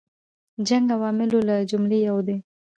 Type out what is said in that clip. جنګ عواملو له جملې یو دی.